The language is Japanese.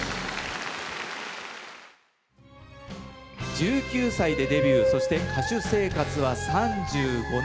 １９歳でデビューそして歌手生活は３５年。